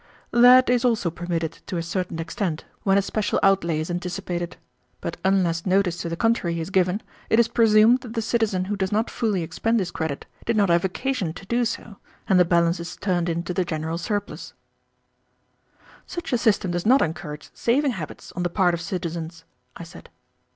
"That is also permitted to a certain extent when a special outlay is anticipated. But unless notice to the contrary is given, it is presumed that the citizen who does not fully expend his credit did not have occasion to do so, and the balance is turned into the general surplus." "Such a system does not encourage saving habits on the part of citizens," I said.